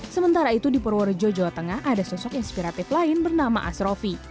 sementara itu di purworejo jawa tengah ada sosok inspiratif lain bernama asrofi